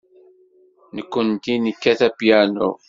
Nekkenti nekkat apyanu.